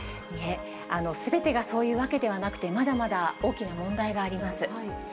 いえ、すべてがそういうわけではなくて、まだまだ大きな問題があります。